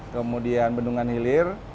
kemudian bendungan hilir